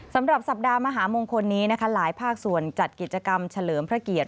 สำหรับสัปดาห์มหามงคลนี้นะคะหลายภาคส่วนจัดกิจกรรมเฉลิมพระเกียรติ